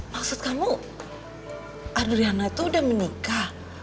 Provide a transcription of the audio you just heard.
maksud kamu adriana itu udah menikah